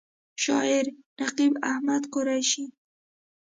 شاعر: نقیب احمد قریشي